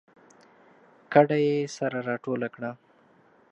کډه یې سره راټوله کړه